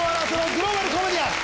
グローバルコメディアン』。